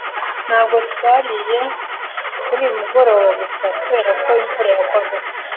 Ntabwo twariye kuri uyu mugoroba gusa kubera ko imvura yagwaga.